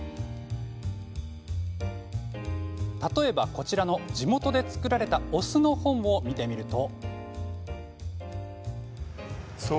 例えば、こちらの地元で造られたお酢の本を見てみると。